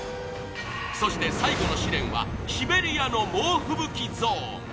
そして最後の試練はシベリアの猛吹雪ゾーン。